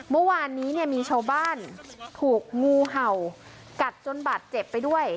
เมื่อวานนี้เนี่ยมีชาวบ้านถูกงูเห่ากัดจนบาดเจ็บไปด้วย